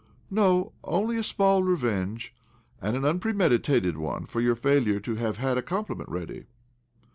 " No — only a small revenge (and an un premeditated one) for your failure to have had a compliment ready."